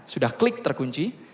sudah klik terkunci